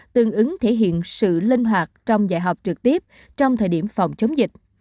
tương ứng thể hiện sự linh hoạt trong dạy học trực tiếp trong thời điểm phòng chống dịch